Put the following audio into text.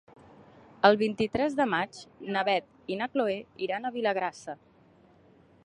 El vint-i-tres de maig na Beth i na Chloé iran a Vilagrassa.